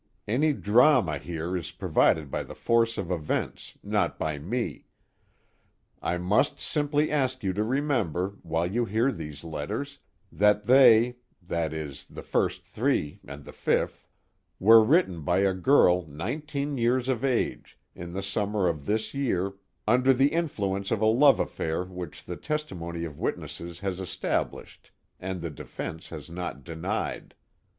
Any drama here is provided by the force of events, not by me. I must simply ask you to remember, while you hear these letters, that they (that is, the first three and the fifth) were written by a girl nineteen years of age, in the summer of this year, under the influence of a love affair which the testimony of witnesses has established and the defense has not denied.